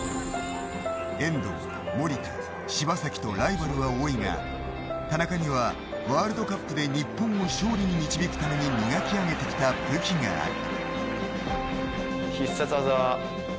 遠藤、守田、柴崎とライバルは多いが田中にはワールドカップで日本を勝利に導くために磨き上げてきた武器がある。